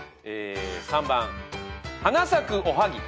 ３番。